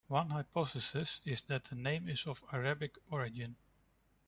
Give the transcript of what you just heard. One hypothesis is that the name is of Arabic origin.